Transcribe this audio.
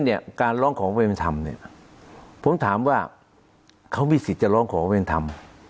เนี่ยการร้องขอความเป็นธรรมเนี่ยผมถามว่าเขามีสิทธิ์จะร้องขอความเป็นธรรม